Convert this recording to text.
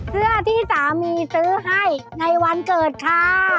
เพื่อที่สามีซื้อให้ในวันเกิดค่ะ